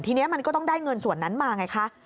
ทีนี้มันก็ต้องได้เงินส่วนนั้นมาไงคะ